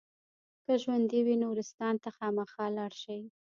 که ژوندي وي نورستان ته خامخا لاړ شئ.